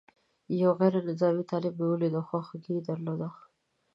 یو غیر نظامي طالب مې ولید او خواخوږي یې درلوده.